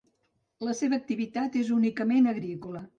La seva activitat és únicament agrícola.